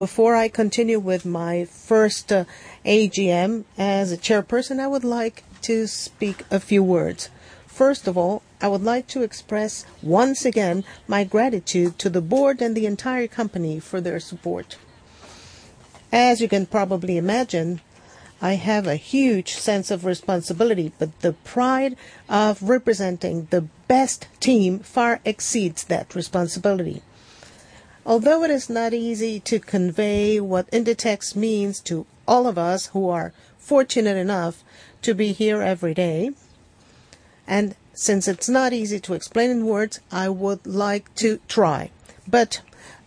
Before I continue with my first AGM as a chairperson, I would like to speak a few words. First of all, I would like to express once again my gratitude to the board and the entire company for their support. As you can probably imagine, I have a huge sense of responsibility, but the pride of representing the best team far exceeds that responsibility. Although it is not easy to convey what Inditex means to all of us who are fortunate enough to be here every day, and since it's not easy to explain in words, I would like to try.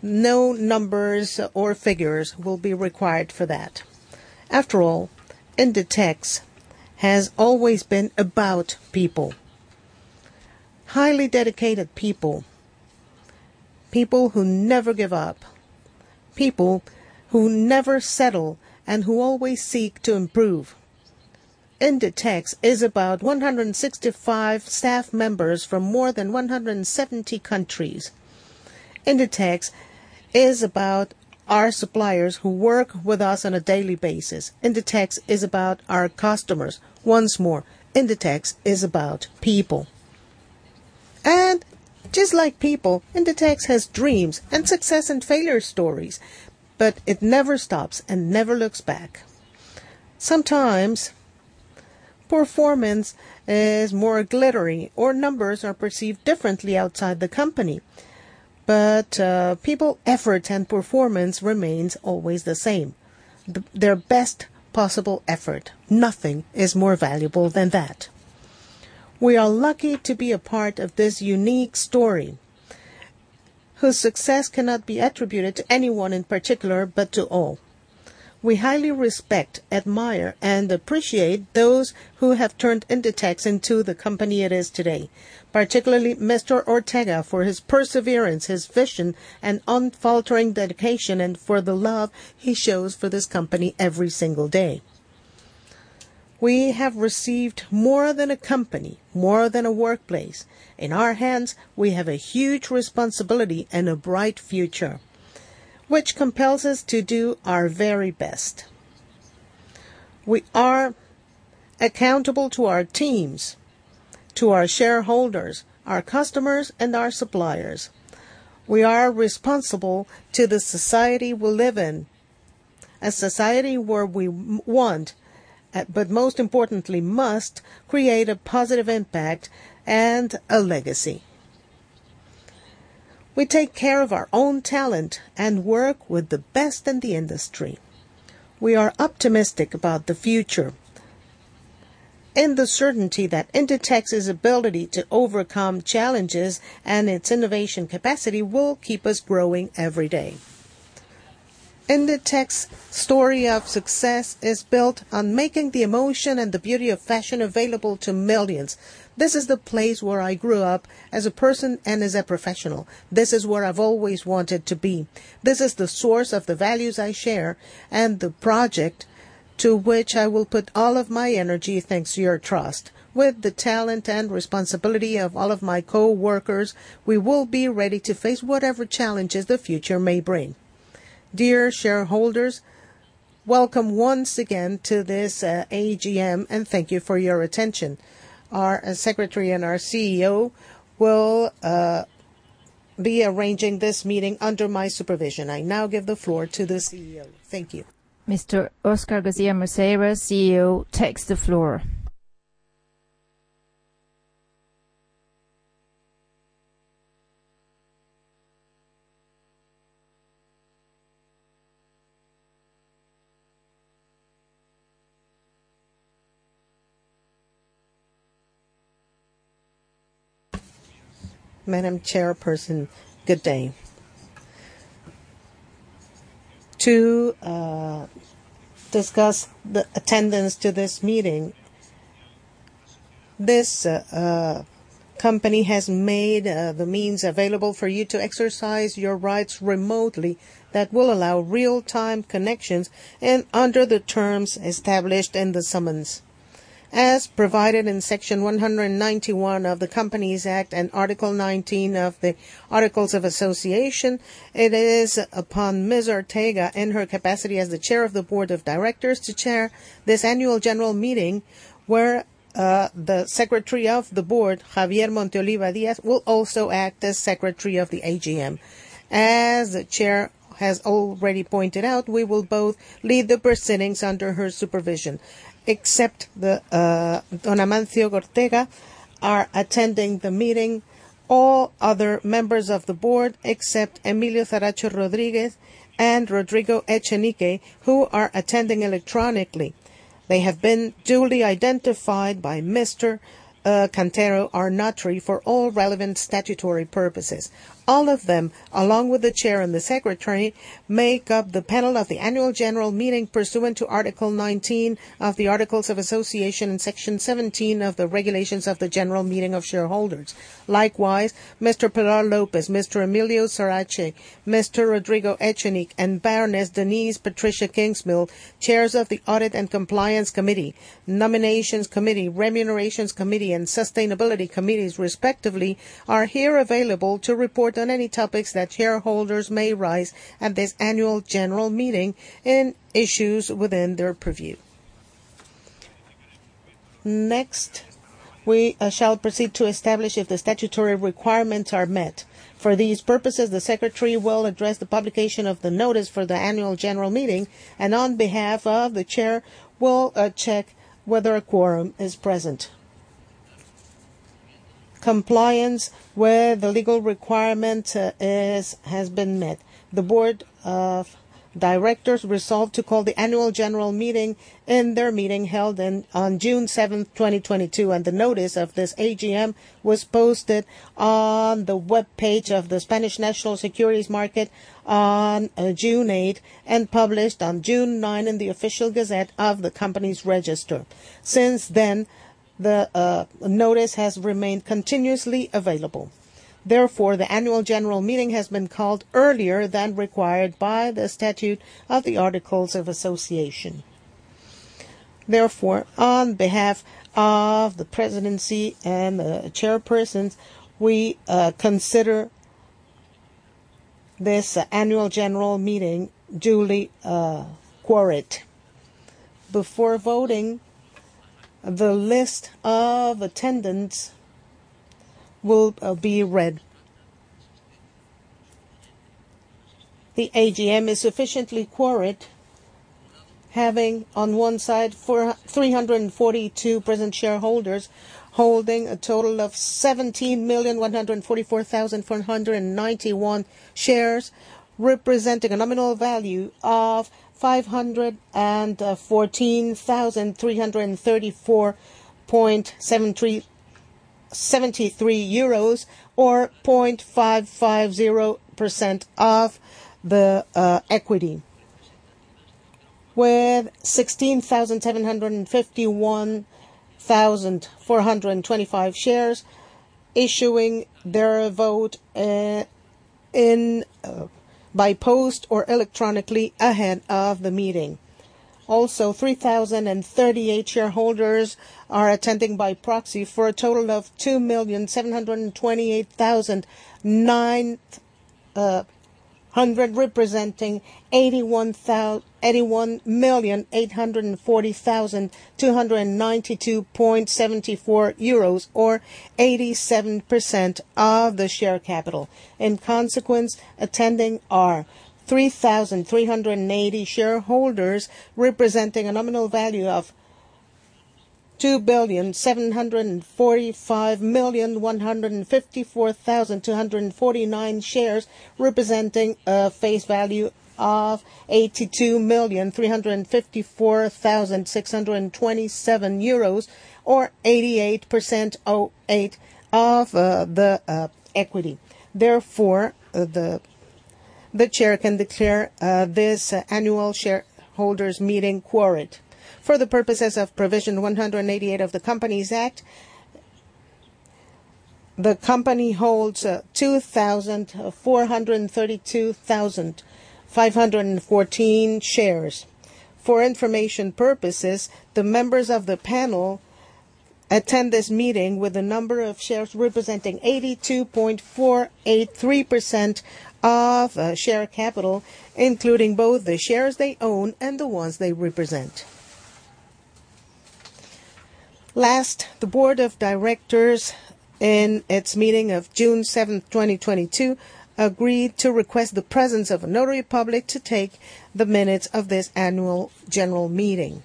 No numbers or figures will be required for that. After all, Inditex has always been about people. Highly dedicated people. People who never give up. People who never settle and who always seek to improve. Inditex is about 165 staff members from more than 170 countries. Inditex is about our suppliers who work with us on a daily basis. Inditex is about our customers. Once more, Inditex is about people. Just like people, Inditex has dreams and success and failure stories, but it never stops and never looks back. Sometimes performance is more glittery or numbers are perceived differently outside the company, but people effort and performance remains always the same. Their best possible effort. Nothing is more valuable than that. We are lucky to be a part of this unique story whose success cannot be attributed to anyone in particular, but to all. We highly respect, admire, and appreciate those who have turned Inditex into the company it is today, particularly Mr. Ortega, for his perseverance, his vision, and unfaltering dedication, and for the love he shows for this company every single day. We have received more than a company, more than a workplace. In our hands, we have a huge responsibility and a bright future, which compels us to do our very best. We are accountable to our teams, to our shareholders, our customers, and our suppliers. We are responsible to the society we live in, a society where we want, but most importantly, must create a positive impact and a legacy. We take care of our own talent and work with the best in the industry. We are optimistic about the future and the certainty that Inditex's ability to overcome challenges and its innovation capacity will keep us growing every day. Inditex's story of success is built on making the emotion and the beauty of fashion available to millions. This is the place where I grew up as a person and as a professional. This is where I've always wanted to be. This is the source of the values I share and the project to which I will put all of my energy thanks to your trust. With the talent and responsibility of all of my coworkers, we will be ready to face whatever challenges the future may bring. Dear shareholders, welcome once again to this AGM, and thank you for your attention. Our secretary and our CEO will be arranging this meeting under my supervision. I now give the floor to the CEO. Thank you. Mr. Óscar García Maceiras, CEO, takes the floor. Madam Chairperson, good day. To discuss the attendance to this meeting, this company has made the means available for you to exercise your rights remotely that will allow real-time connections and under the terms established in the summons. As provided in Section 191 of the Companies Act and Article 19 of the Articles of Association, it is upon Ms. Ortega, in her capacity as the chair of the board of directors, to chair this annual general meeting where the secretary of the board, Javier Monteoliva Díaz, will also act as secretary of the AGM. As the chair has already pointed out, we will both lead the proceedings under her supervision. Except Don Amancio Ortega are attending the meeting, all other members of the board, except Emilio Saracho Rodríguez and Rodrigo Echenique, who are attending electronically. They have been duly identified by Mr. Cantero for all relevant statutory purposes. All of them, along with the chair and the secretary, make up the panel of the annual general meeting pursuant to Article 19 of the Articles of Association in Section 17 of the Regulations of the General Meeting of Shareholders. Likewise, Mr. Pilar López, Mr. Emilio Saracho, Mr. Rodrigo Echenique, and Baroness Denise Patricia Kingsmill, chairs of the Audit and Compliance Committee, Nominations Committee, Remuneration Committee, and Sustainability Committee, respectively, are here available to report on any topics that shareholders may raise at this annual general meeting in issues within their purview. Next, we shall proceed to establish if the statutory requirements are met. For these purposes, the secretary will address the publication of the notice for the annual general meeting, and on behalf of the chair, will check whether a quorum is present. Compliance where the legal requirement is has been met. The Board of Directors resolved to call the annual general meeting in their meeting held on June 7, 2022, and the notice of this AGM was posted on the webpage of the Spanish National Securities Market Commission on June 8, and published on June 9 in the official gazette of the company's register. Since then, the notice has remained continuously available. Therefore, the annual general meeting has been called earlier than required by the statutes of the Articles of Association. Therefore, on behalf of the presidency and the chairpersons, we consider this annual general meeting duly quorate. Before voting, the list of attendees will be read. The AGM is sufficiently quorate, having on one side 342 present shareholders holding a total of 17,144,491 shares, representing a nominal value of 514,334.73 euros, or 0.550% of the equity. With 16,751,425 shares issuing their vote by post or electronically ahead of the meeting. Also, 3,038 shareholders are attending by proxy for a total of 2,728,900, representing 81,840,292.74 euros, or 87% of the share capital. In consequence, attending are 3,380 shareholders, representing a nominal value of 2,745,154,249 shares, representing a face value of 82,354,627 euros or 88.08% of the equity. Therefore, the chair can declare this annual shareholders meeting quorate. For the purposes of provision 188 of the Companies Act, the company holds 2,432,514 shares. For information purposes, the members of the panel attend this meeting with the number of shares representing 82.483% of share capital, including both the shares they own and the ones they represent. Last, the board of directors in its meeting of June 7, 2022, agreed to request the presence of a notary public to take the minutes of this annual general meeting.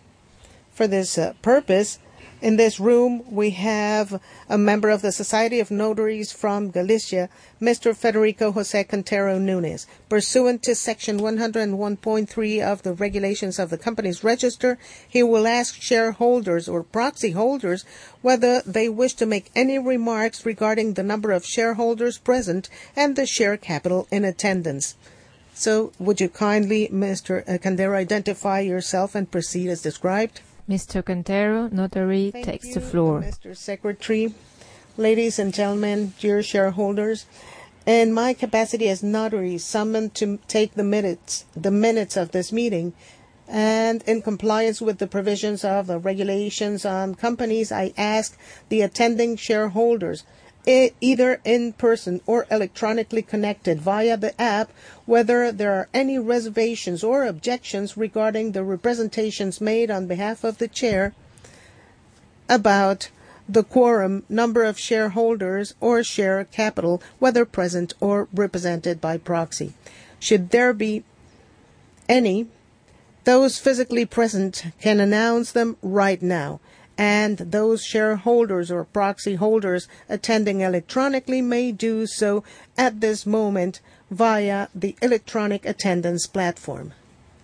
For this purpose, in this room, we have a member of the Society of Notaries from Galicia, Mr. Federico José Cantero Núñez. Pursuant to Section 101.3 of the regulations of the company's register, he will ask shareholders or proxy holders whether they wish to make any remarks regarding the number of shareholders present and the share capital in attendance. Would you kindly, Mr. Cantero, identify yourself and proceed as described. Mr. Cantero, Notary, takes the floor. Thank you, Mr. Secretary. Ladies and gentlemen, dear shareholders, in my capacity as notary summoned to take the minutes of this meeting, and in compliance with the provisions of the regulations on companies, I ask the attending shareholders, either in person or electronically connected via the app, whether there are any reservations or objections regarding the representations made on behalf of the chair about the quorum, number of shareholders or share capital, whether present or represented by proxy. Should there be any, those physically present can announce them right now, and those shareholders or proxy holders attending electronically may do so at this moment via the electronic attendance platform.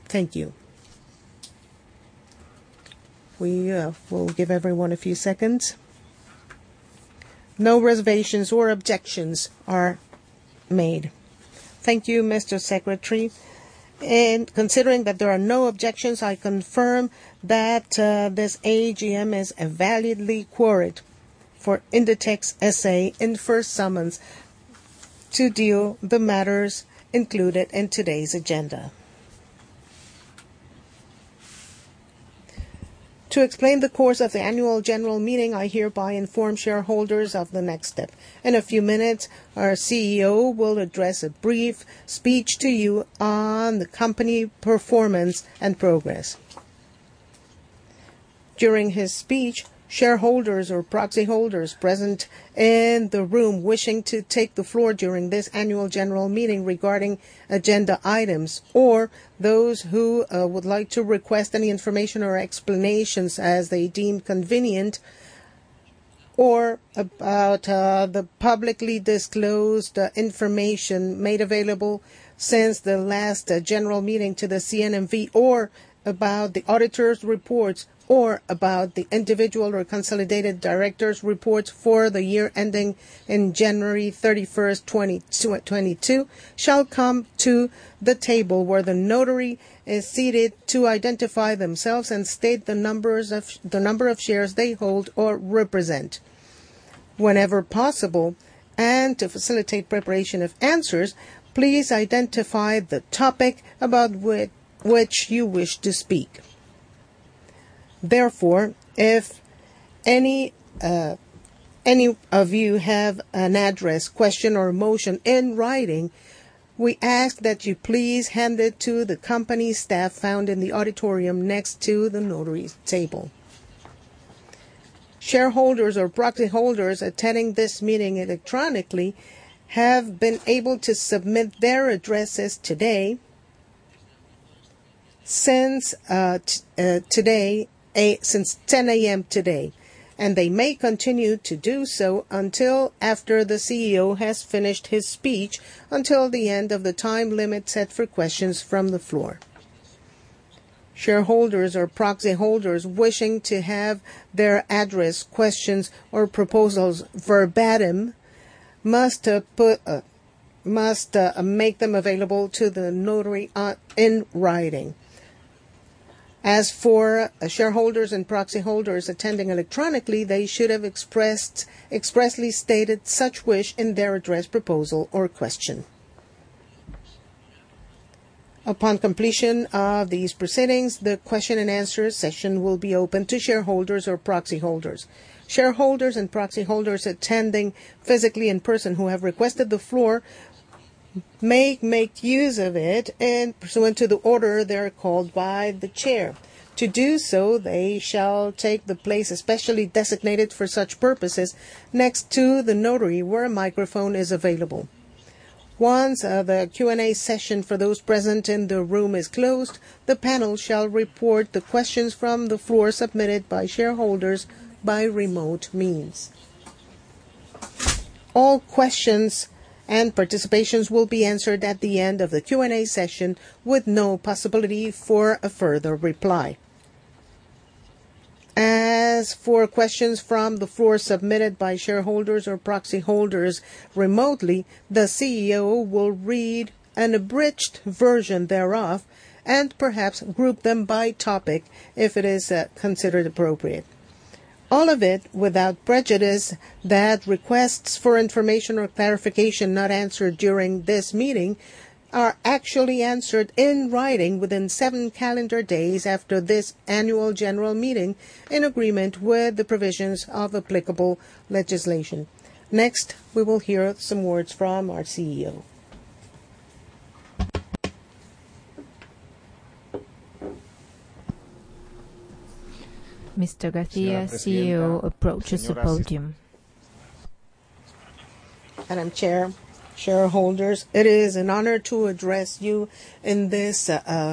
Thank you. We will give everyone a few seconds. No reservations or objections are made. Thank you, Mr. Secretary. Considering that there are no objections, I confirm that this AGM is validly quorate for Inditex, S.A. In first summons to deal the matters included in today's agenda. To explain the course of the annual general meeting, I hereby inform shareholders of the next step. In a few minutes, our CEO will address a brief speech to you on the company performance and progress. During his speech, shareholders or proxy holders present in the room wishing to take the floor during this annual general meeting regarding agenda items, or those who would like to request any information or explanations as they deem convenient, or about the publicly disclosed information made available since the last general meeting to the CNMV, or about the auditor's reports, or about the individual or consolidated directors' reports for the year ending January 31, 2022, shall come to the table where the notary is seated to identify themselves and state the number of shares they hold or represent. Whenever possible, and to facilitate preparation of answers, please identify the topic about which you wish to speak. Therefore, if any of you have an address, question, or motion in writing, we ask that you please hand it to the company staff found in the auditorium next to the notary's table. Shareholders or proxy holders attending this meeting electronically have been able to submit their addresses today, since 10 A.M. today, and they may continue to do so until after the CEO has finished his speech, until the end of the time limit set for questions from the floor. Shareholders or proxy holders wishing to have their address, questions, or proposals verbatim must make them available to the notary in writing. As for shareholders and proxy holders attending electronically, they should have expressly stated such wish in their address, proposal, or question. Upon completion of these proceedings, the question and answer session will be open to shareholders or proxy holders. Shareholders and proxy holders attending physically in person who have requested the floor may make use of it, and pursuant to the order they are called by the chair. To do so, they shall take the place especially designated for such purposes next to the notary, where a microphone is available. Once the Q&A session for those present in the room is closed, the panel shall report the questions from the floor submitted by shareholders by remote means. All questions and participations will be answered at the end of the Q&A session, with no possibility for a further reply. As for questions from the floor submitted by shareholders or proxy holders remotely, the CEO will read an abridged version thereof and perhaps group them by topic if it is considered appropriate. All of it without prejudice that requests for information or clarification not answered during this meeting are actually answered in writing within seven calendar days after this annual general meeting, in agreement with the provisions of applicable legislation. Next, we will hear some words from our CEO. Mr. García CEO, approaches the podium. Madam Chair, shareholders, it is an honor to address you in this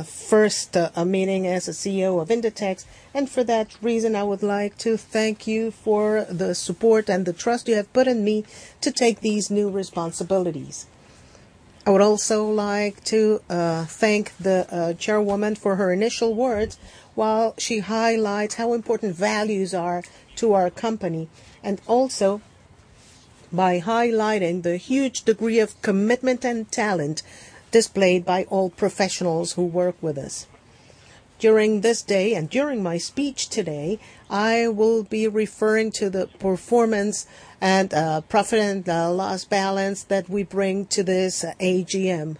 first meeting as the CEO of Inditex. For that reason, I would like to thank you for the support and the trust you have put in me to take these new responsibilities. I would also like to thank the chairwoman for her initial words, while she highlights how important values are to our company, and also by highlighting the huge degree of commitment and talent displayed by all professionals who work with us. During this day and during my speech today, I will be referring to the performance and profit and loss balance that we bring to this AGM.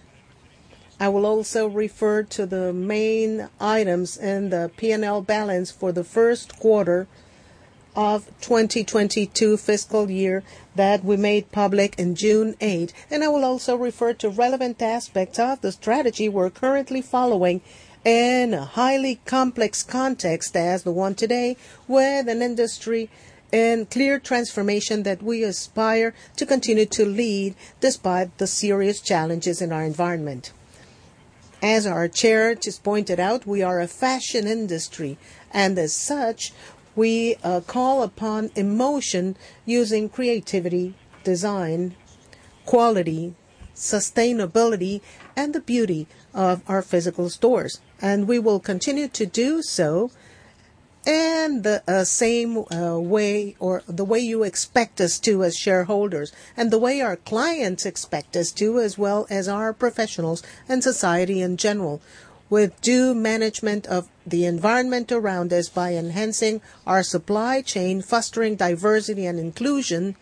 I will also refer to the main items in the P&L balance for the first quarter of 2022 fiscal year that we made public in June 8. I will also refer to relevant aspects of the strategy we're currently following in a highly complex context as the one today, with an industry in clear transformation that we aspire to continue to lead despite the serious challenges in our environment. As our chair just pointed out, we are a fashion industry, and as such, we call upon emotion using creativity, design, quality, sustainability, and the beauty of our physical stores. We will continue to do so in the same way or the way you expect us to as shareholders, and the way our clients expect us to, as well as our professionals and society in general, with due management of the environment around us by enhancing our supply chain, fostering diversity and inclusion,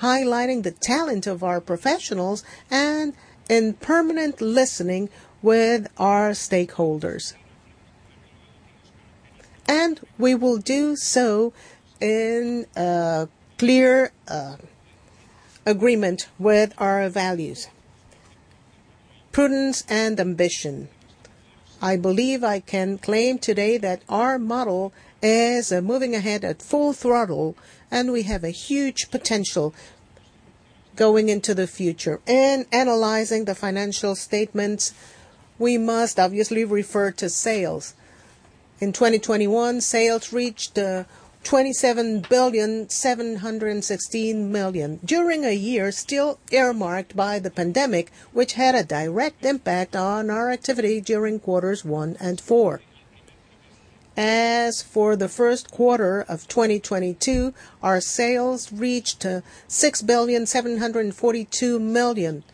highlighting the talent of our professionals, and in permanent listening with our stakeholders. We will do so in a clear agreement with our values. Prudence and ambition. I believe I can claim today that our model is moving ahead at full throttle, and we have a huge potential going into the future. Analyzing the financial statements, we must obviously refer to sales. In 2021, sales reached 27,716 million during a year still earmarked by the pandemic, which had a direct impact on our activity during quarters one and four. As for the first quarter of 2022, our sales reached 6,742 million,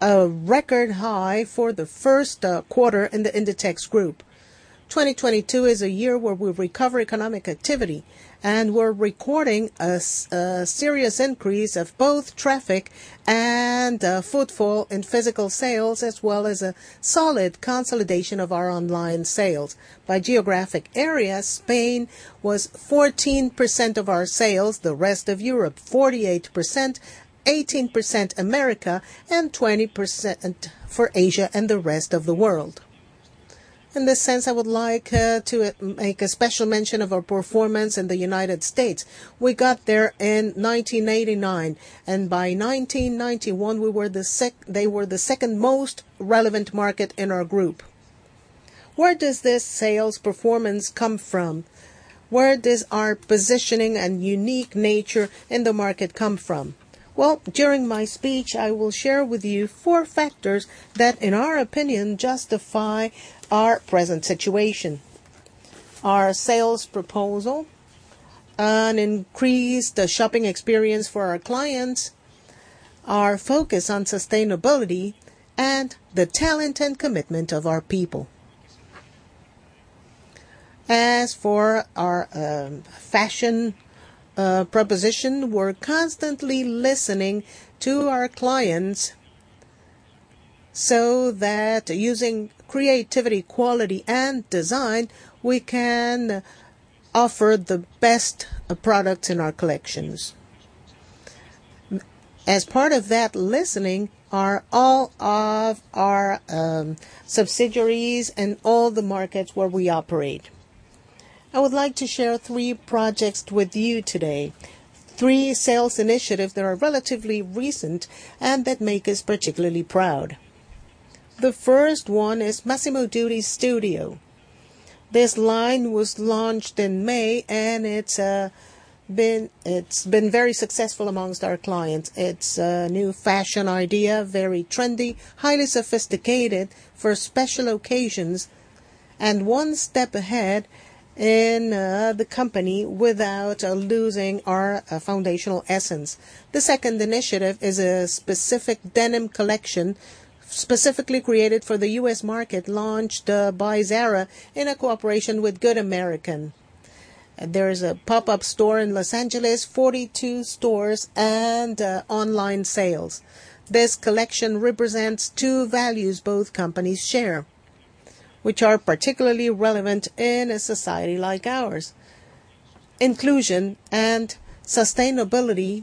a record high for the first quarter in the Inditex Group. 2022 is a year where we recover economic activity, and we're recording a serious increase of both traffic and footfall in physical sales, as well as a solid consolidation of our online sales. By geographic area, Spain was 14% of our sales, the rest of Europe 48%, 18% America, and 20% for Asia and the rest of the world. In this sense, I would like to make a special mention of our performance in the United States. We got there in 1989, and by 1991, they were the second most relevant market in our group. Where does this sales performance come from? Where does our positioning and unique nature in the market come from? Well, during my speech, I will share with you four factors that, in our opinion, justify our present situation. Our sales proposal, an increased shopping experience for our clients, our focus on sustainability, and the talent and commitment of our people. As for our fashion proposition, we're constantly listening to our clients so that using creativity, quality, and design, we can offer the best products in our collections. As part of that listening are all of our subsidiaries in all the markets where we operate. I would like to share three projects with you today. Three sales initiatives that are relatively recent and that make us particularly proud. The first one is Massimo Dutti Studio. This line was launched in May, and it's been very successful among our clients. It's a new fashion idea, very trendy, highly sophisticated for special occasions, and one step ahead in the company without losing our foundational essence. The second initiative is a specific denim collection specifically created for the U.S. market, launched by Zara in a cooperation with Good American. There is a pop-up store in Los Angeles, 42 stores and online sales. This collection represents two values both companies share, which are particularly relevant in a society like ours, inclusion and sustainability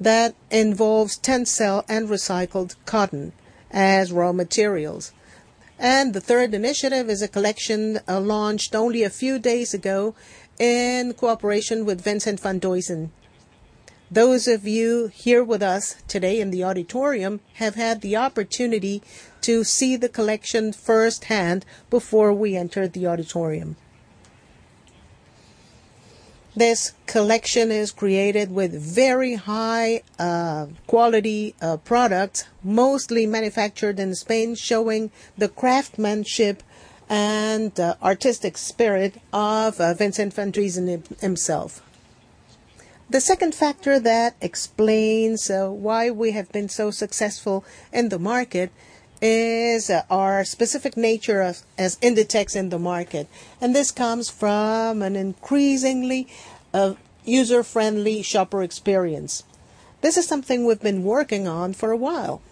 that involves TENCEL and recycled cotton as raw materials. The third initiative is a collection launched only a few days ago in cooperation with Vincent Van Duysen. Those of you here with us today in the auditorium have had the opportunity to see the collection firsthand before we entered the auditorium. This collection is created with very high quality products, mostly manufactured in Spain, showing the craftsmanship and artistic spirit of Vincent Van Duysen himself. The second factor that explains why we have been so successful in the market is our specific nature as Inditex in the market. This comes from an increasingly user-friendly shopper experience. This is something we've been working on for a while.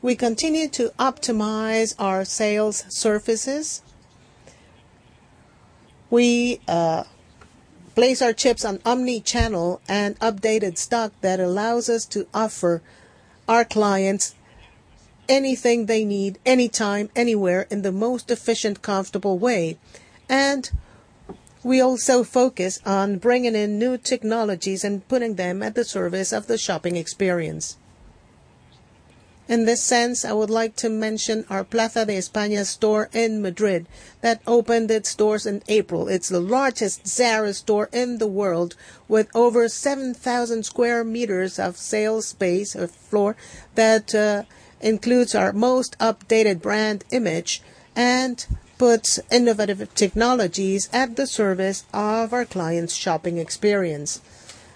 We continue to optimize our sales services. We place our chips on omnichannel and updated stock that allows us to offer our clients anything they need, anytime, anywhere, in the most efficient, comfortable way. We also focus on bringing in new technologies and putting them at the service of the shopping experience. In this sense, I would like to mention our Plaza de España store in Madrid that opened its doors in April. It's the largest Zara store in the world with over 7,000 square meters of sales space or floor that includes our most updated brand image and puts innovative technologies at the service of our clients' shopping experience.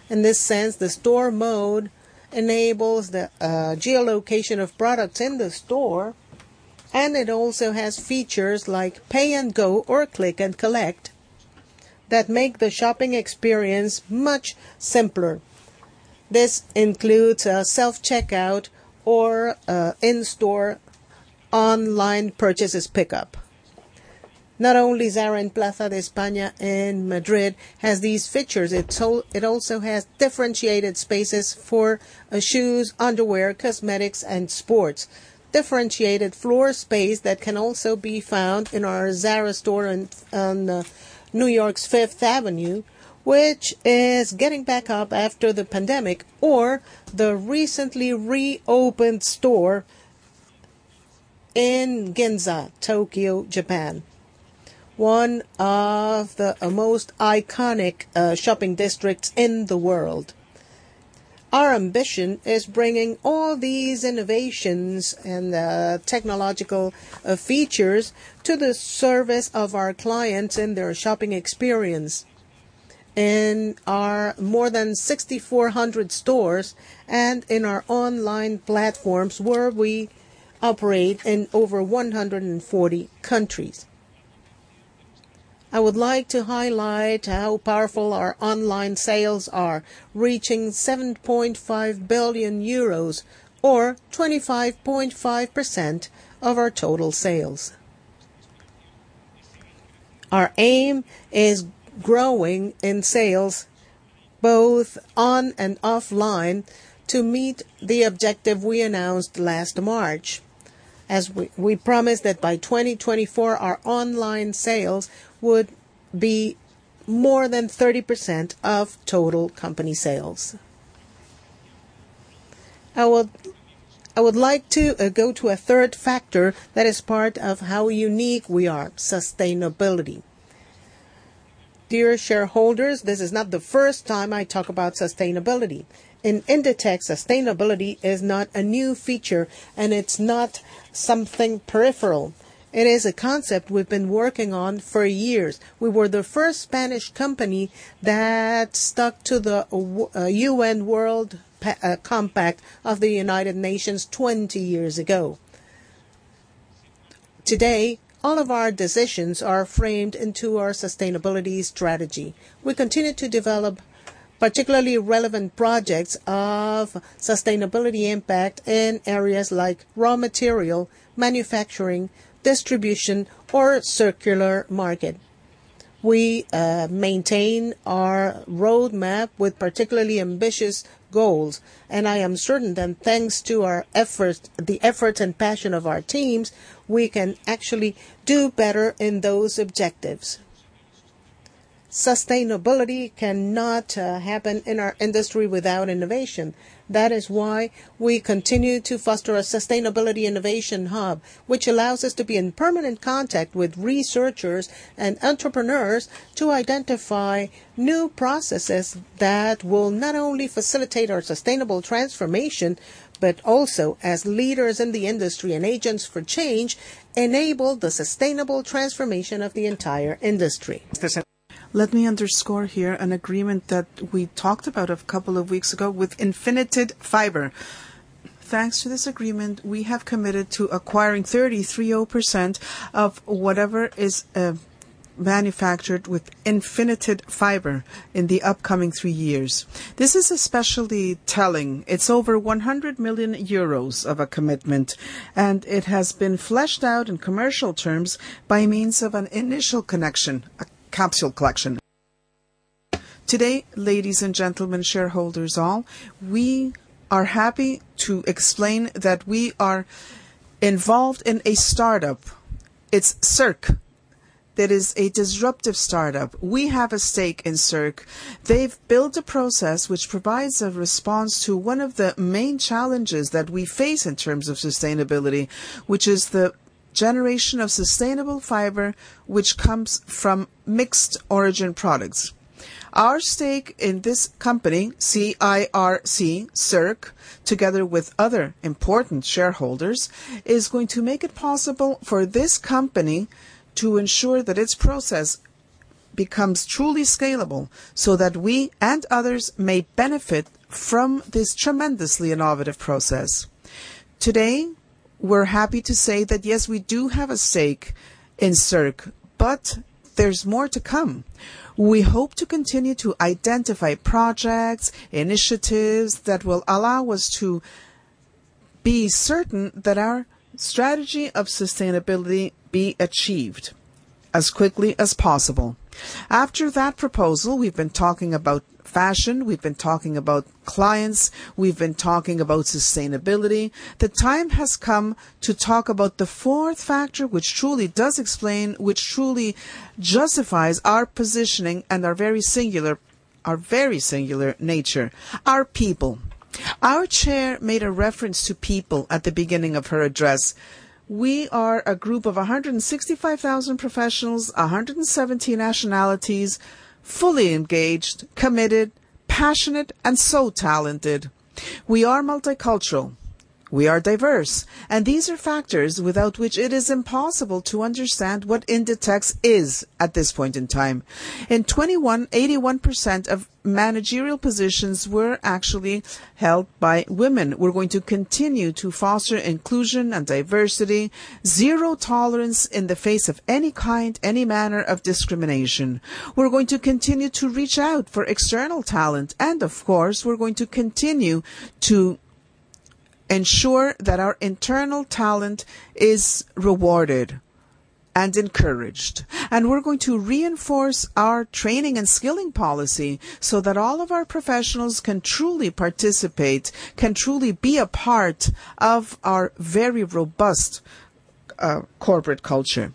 In this sense, the Store Mode enables the geolocation of products in the store, and it also has features like Pay&Go or click and collect that make the shopping experience much simpler. This includes self-checkout or in-store online purchases pickup. Not only Zara in Plaza de España in Madrid has these features. It's also has differentiated spaces for shoes, underwear, cosmetics, and sports. Differentiated floor space that can also be found in our Zara store on New York's Fifth Avenue, which is getting back up after the pandemic, or the recently reopened store in Ginza, Tokyo, Japan, one of the most iconic shopping districts in the world. Our ambition is bringing all these innovations and technological features to the service of our clients in their shopping experience. In our more than 6,400 stores and in our online platforms, where we operate in over 140 countries. I would like to highlight how powerful our online sales are, reaching 7.5 billion euros or 25.5% of our total sales. Our aim is growing in sales, both on and offline, to meet the objective we announced last March, as we promised that by 2024, our online sales would be more than 30% of total company sales. I would like to go to a third factor that is part of how unique we are, sustainability. Dear shareholders, this is not the first time I talk about sustainability. In Inditex, sustainability is not a new feature, and it's not something peripheral. It is a concept we've been working on for years. We were the first Spanish company that stuck to the UN Global Compact of the United Nations 20 years ago. Today, all of our decisions are framed into our sustainability strategy. We continue to develop particularly relevant projects of sustainability impact in areas like raw material, manufacturing, distribution or circular market. We maintain our roadmap with particularly ambitious goals, and I am certain that thanks to our efforts, the efforts and passion of our teams, we can actually do better in those objectives. Sustainability cannot happen in our industry without innovation. That is why we continue to foster a Sustainability Innovation Hub, which allows us to be in permanent contact with researchers and entrepreneurs to identify new processes that will not only facilitate our sustainable transformation, but also as leaders in the industry and agents for change, enable the sustainable transformation of the entire industry. Let me underscore here an agreement that we talked about a couple of weeks ago with Infinited Fiber. Thanks to this agreement, we have committed to acquiring 33% of whatever is manufactured with Infinited Fiber in the upcoming three years. This is especially telling. It's over 100 million euros of a commitment, and it has been fleshed out in commercial terms by means of an initial connection, a capsule collection. Today, ladies and gentlemen, shareholders all, we are happy to explain that we are involved in a startup. It's Circ. That is a disruptive startup. We have a stake in Circ. They've built a process which provides a response to one of the main challenges that we face in terms of sustainability, which is the generation of sustainable fiber, which comes from mixed origin products. Our stake in this company, C-I-R-C, Circ, together with other important shareholders, is going to make it possible for this company to ensure that its process becomes truly scalable, so that we and others may benefit from this tremendously innovative process. Today, we're happy to say that yes, we do have a stake in Circ, but there's more to come. We hope to continue to identify projects, initiatives that will allow us to be certain that our strategy of sustainability be achieved as quickly as possible. After that proposal, we've been talking about fashion, we've been talking about clients, we've been talking about sustainability. The time has come to talk about the fourth factor, which truly does explain, which truly justifies our positioning and our very singular nature, our people. Our chair made a reference to people at the beginning of her address. We are a group of 165,000 professionals, 170 nationalities, fully engaged, committed, passionate, and so talented. We are multicultural, we are diverse, and these are factors without which it is impossible to understand what Inditex is at this point in time. In 2021, 81% of managerial positions were actually held by women. We're going to continue to foster inclusion and diversity, zero tolerance in the face of any kind, any manner of discrimination. We're going to continue to reach out for external talent, and of course, we're going to continue to ensure that our internal talent is rewarded and encouraged. We're going to reinforce our training and skilling policy so that all of our professionals can truly participate, can truly be a part of our very robust, corporate culture.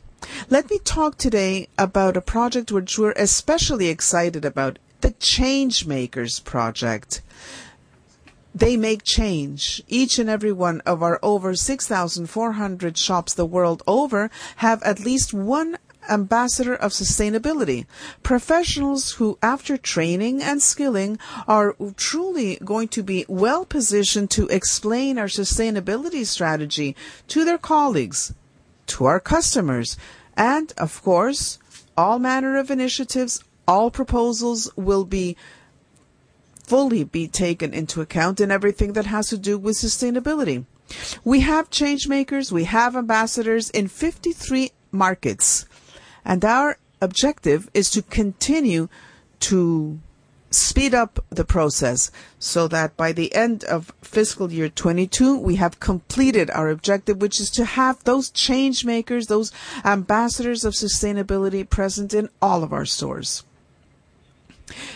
Let me talk today about a project which we're especially excited about, the Changemakers project. They make change. Each and every one of our over 6,400 shops the world over have at least one ambassador of sustainability. Professionals who, after training and skilling, are truly going to be well-positioned to explain our sustainability strategy to their colleagues, to our customers. Of course, all manner of initiatives, all proposals will be fully taken into account in everything that has to do with sustainability. We have Changemakers, we have ambassadors in 53 markets, and our objective is to continue to speed up the process so that by the end of fiscal year 2022, we have completed our objective, which is to have those Changemakers, those ambassadors of sustainability, present in all of our stores.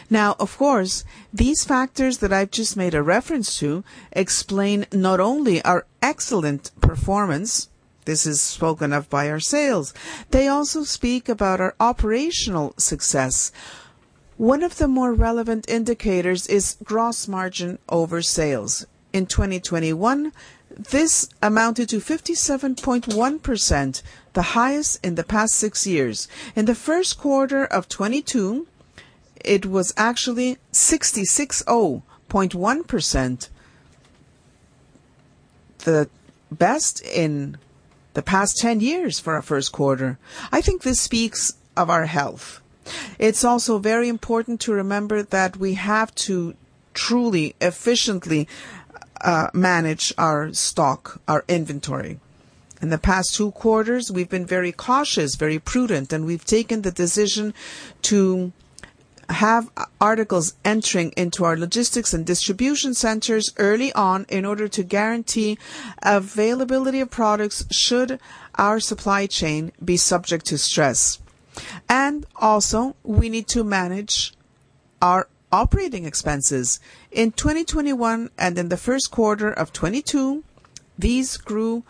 Now, of course, these factors that I've just made a reference to explain not only our excellent performance. This is spoken of by our sales. They also speak about our operational success. One of the more relevant indicators is gross margin over sales. In 2021, this amounted to 57.1%, the highest in the past six years. In the first quarter of 2022, it was actually 66.1%, the best in the past 10 years for our first quarter. I think this speaks of our health. It's also very important to remember that we have to truly, efficiently, manage our stock, our inventory. In the past two quarters, we've been very cautious, very prudent, and we've taken the decision to have articles entering into our logistics and distribution centers early on in order to guarantee availability of products should our supply chain be subject to stress. also, we need to manage our operating expenses. In 2021 and in the first quarter of 2022, these grew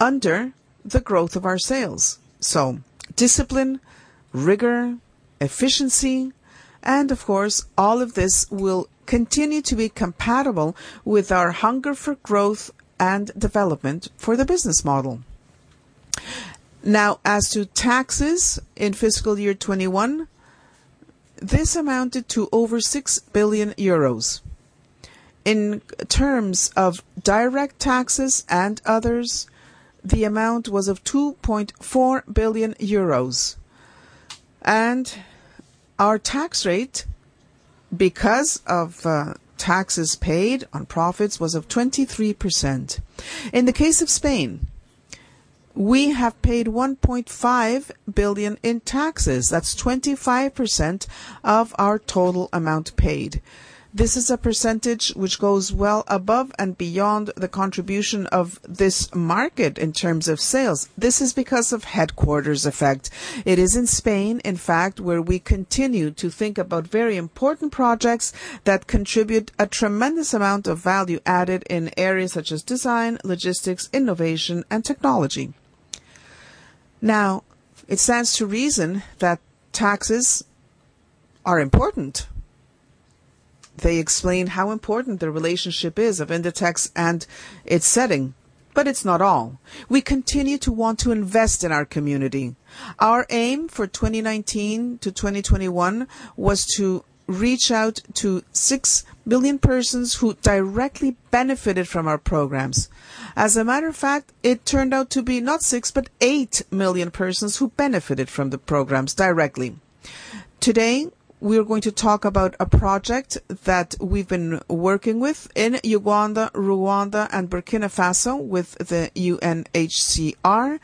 under the growth of our sales. Discipline, rigor, efficiency, and of course, all of this will continue to be compatible with our hunger for growth and development for the business model. Now, as to taxes in fiscal year 2021, this amounted to over 6 billion euros. In terms of direct taxes and others, the amount was of 2.4 billion euros. Our tax rate, because of taxes paid on profits, was 23%. In the case of Spain, we have paid 1.5 billion in taxes. That's 25% of our total amount paid. This is a percentage which goes well above and beyond the contribution of this market in terms of sales. This is because of headquarters effect. It is in Spain, in fact, where we continue to think about very important projects that contribute a tremendous amount of value added in areas such as design, logistics, innovation, and technology. Now, it stands to reason that taxes are important. They explain how important the relationship is of Inditex and its setting. It's not all. We continue to want to invest in our community. Our aim for 2019 to 2021 was to reach out to six billion persons who directly benefited from our programs. As a matter of fact, it turned out to be not six, but eight million persons who benefited from the programs directly. Today, we are going to talk about a project that we've been working with in Uganda, Rwanda, and Burkina Faso with the UNHCR.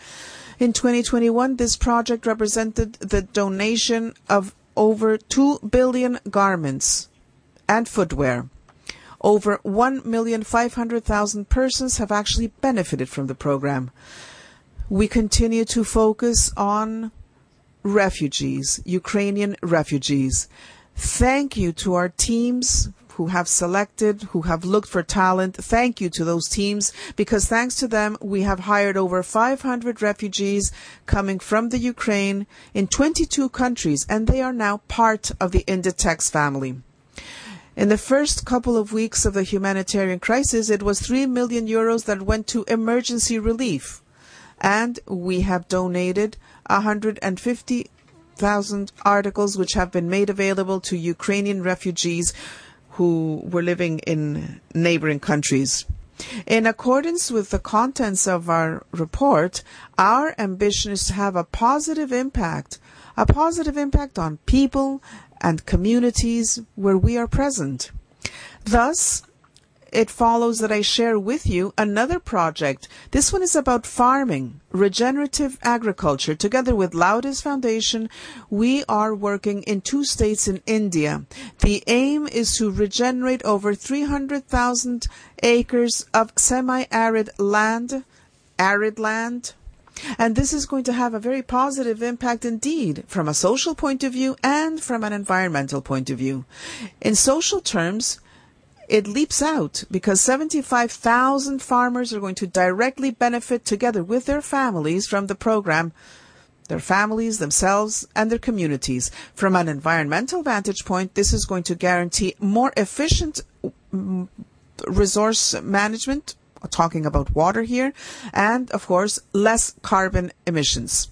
In 2021, this project represented the donation of over two billion garments and footwear. Over 1.5 million persons have actually benefited from the program. We continue to focus on refugees, Ukrainian refugees. Thank you to our teams who have selected, who have looked for talent. Thank you to those teams, because thanks to them, we have hired over 500 refugees coming from the Ukraine in 22 countries, and they are now part of the Inditex family. In the first couple of weeks of the humanitarian crisis, it was 3 million euros that went to emergency relief, and we have donated 150,000 articles which have been made available to Ukrainian refugees who were living in neighboring countries. In accordance with the contents of our report, our ambition is to have a positive impact, a positive impact on people and communities where we are present. Thus, it follows that I share with you another project. This one is about farming, regenerative agriculture. Together with Laudes Foundation, we are working in two states in India. The aim is to regenerate over 300,000 acres of semi-arid land, arid land. This is going to have a very positive impact indeed from a social point of view and from an environmental point of view. In social terms, it leaps out because 75,000 farmers are going to directly benefit together with their families from the program, themselves, and their communities. From an environmental vantage point, this is going to guarantee more efficient resource management, talking about water here, and of course, less carbon emissions.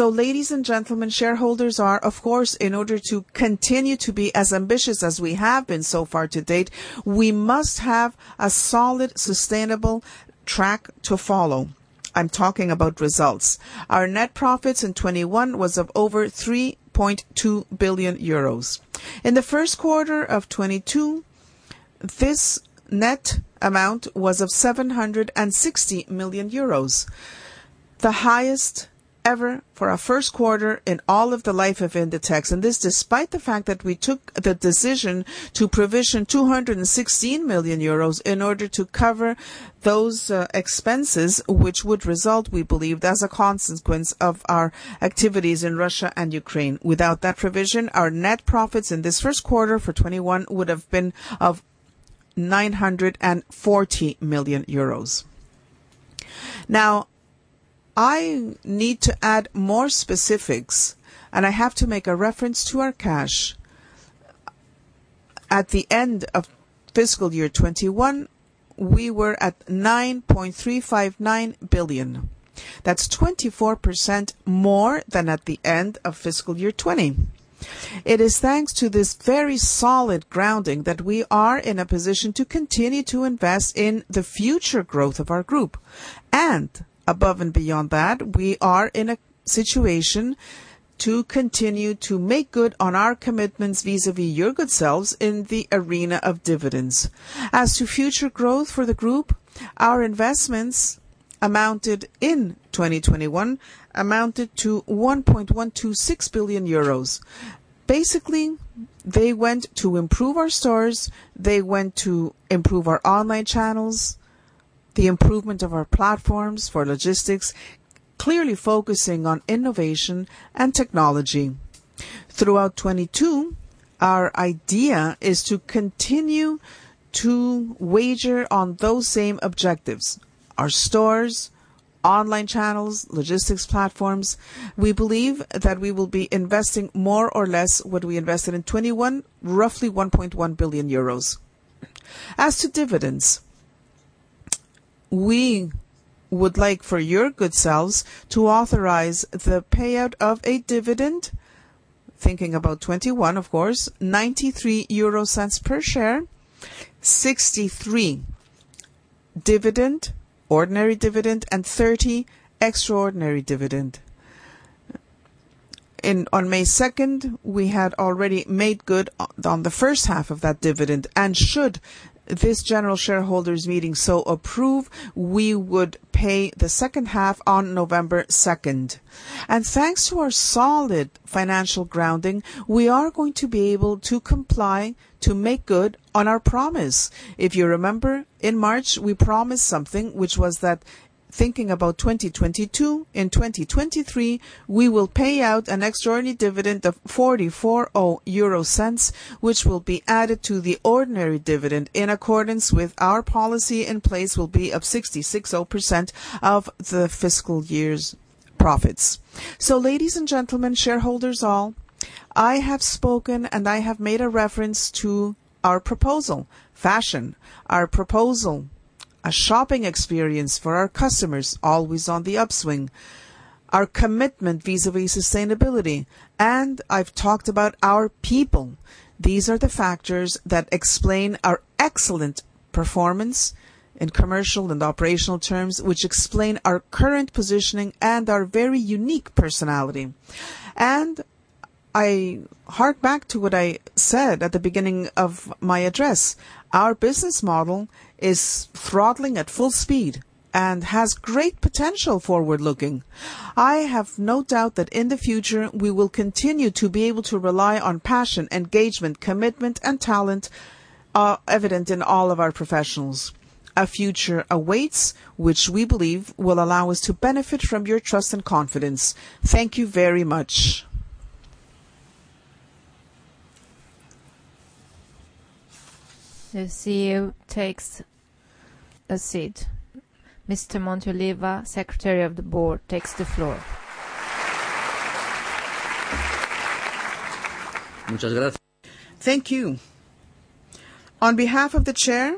Ladies and gentlemen, shareholders are, of course, in order to continue to be as ambitious as we have been so far to date, we must have a solid, sustainable track to follow. I'm talking about results. Our net profits in 2021 was of over 3.2 billion euros. In the first quarter of 2022, this net amount was 760 million euros, the highest ever for our first quarter in all of the life of Inditex, and this despite the fact that we took the decision to provision 216 million euros in order to cover those expenses which would result, we believe, as a consequence of our activities in Russia and Ukraine. Without that provision, our net profits in this first quarter for 2021 would have been 940 million euros. Now, I need to add more specifics, and I have to make a reference to our cash. At the end of fiscal year 2021, we were at 9.359 billion. That's 24% more than at the end of fiscal year 2020. It is thanks to this very solid grounding that we are in a position to continue to invest in the future growth of our group. Above and beyond that, we are in a situation to continue to make good on our commitments vis-à-vis your good selves in the arena of dividends. As to future growth for the group, our investments amounted in 2021 to 1.126 billion euros. Basically, they went to improve our stores, they went to improve our online channels, the improvement of our platforms for logistics, clearly focusing on innovation and technology. Throughout 2022, our idea is to continue to wager on those same objectives, our stores, online channels, logistics platforms. We believe that we will be investing more or less what we invested in 2021, roughly 1.1 billion euros. As to dividends, we would like for your good selves to authorize the payout of a dividend. Thinking about 2021, of course, 0.93 per share, 63 dividend, ordinary dividend, and 30 extraordinary dividend. On May 2, we had already made good on the first half of that dividend, and should this general shareholders meeting so approve, we would pay the second half on November 2. Thanks to our solid financial grounding, we are going to be able to comply to make good on our promise. If you remember, in March, we promised something which was that thinking about 2022, in 2023, we will pay out an extraordinary dividend of 0.44, which will be added to the ordinary dividend in accordance with our policy in place will be of 66% of the fiscal year's profits. Ladies and gentlemen, shareholders all, I have spoken and I have made a reference to our proposal for fashion, our proposal for a shopping experience for our customers always on the upswing, our commitment vis-à-vis sustainability, and I've talked about our people. These are the factors that explain our excellent performance in commercial and operational terms, which explain our current positioning and our very unique personality. I hark back to what I said at the beginning of my address. Our business model is at full throttle and has great potential forward-looking. I have no doubt that in the future, we will continue to be able to rely on passion, engagement, commitment, and talent, evident in all of our professionals. A future awaits, which we believe will allow us to benefit from your trust and confidence. Thank you very much. The CEO takes a seat. Mr. Monteoliva, Secretary of the Board, takes the floor. Thank you. On behalf of the Chair,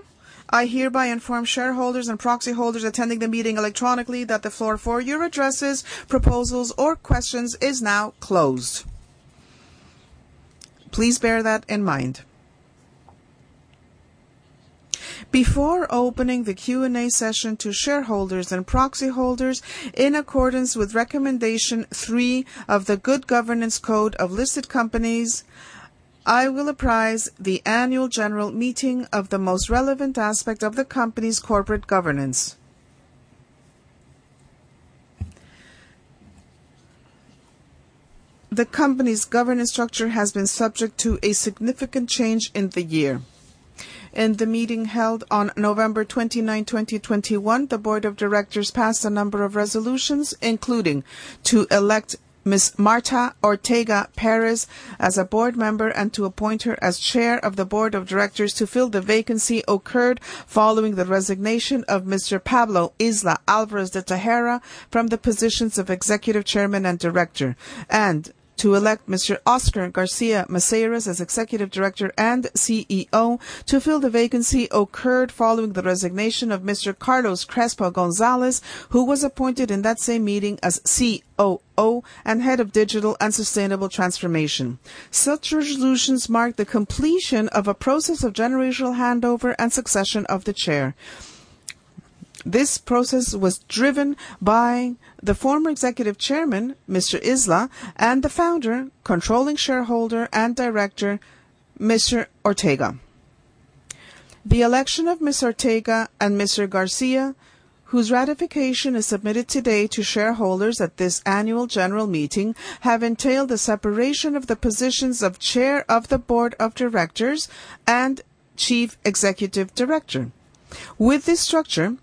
I hereby inform shareholders and proxy holders attending the meeting electronically that the floor for your addresses, proposals, or questions is now closed. Please bear that in mind. Before opening the Q&A session to shareholders and proxy holders, in accordance with recommendation three of the Good Governance Code of Listed Companies, I will apprise the annual general meeting of the most relevant aspect of the company's corporate governance. The company's governance structure has been subject to a significant change in the year. In the meeting held on November 29, 2021, the board of directors passed a number of resolutions, including to elect Ms. Marta Ortega Pérez as a board member, and to appoint her as chair of the board of directors to fill the vacancy occurred following the resignation of Mr. Pablo Isla Álvarez de Tejera from the positions of executive chairman and director. To elect Mr. Óscar García Maceiras as executive director and CEO to fill the vacancy occurred following the resignation of Mr. Carlos Crespo González, who was appointed in that same meeting as COO and head of digital and sustainable transformation. Such resolutions marked the completion of a process of generational handover and succession of the chair. This process was driven by the former executive chairman, Mr. Isla, and the founder, controlling shareholder, and director, Mr. Ortega. The election of Ms. Ortega and Mr. García, whose ratification is submitted today to shareholders at this annual general meeting, have entailed a separation of the positions of chair of the board of directors and chief executive director. With this structure,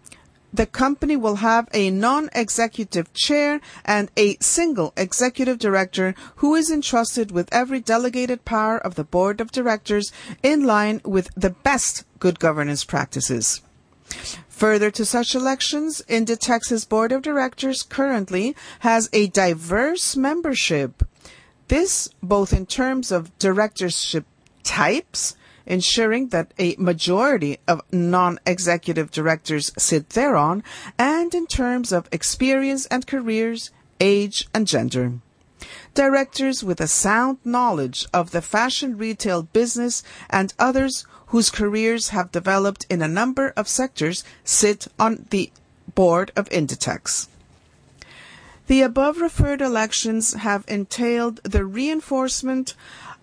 the company will have a non-executive chair and a single executive director who is entrusted with every delegated power of the board of directors in line with the best good governance practices. Further to such elections, Inditex's board of directors currently has a diverse membership. This both in terms of directorship types, ensuring that a majority of non-executive directors sit thereon, and in terms of experience and careers, age and gender. Directors with a sound knowledge of the fashion retail business and others whose careers have developed in a number of sectors sit on the board of Inditex. The above-referred elections have entailed the reinforcement